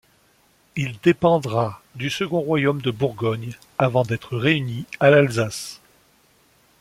Il dépendra du second royaume de Bourgogne, avant d'être réuni à l'Alsace.